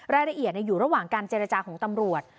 รายละเอียดอยู่ระหว่างการเจรจาของตำรวจ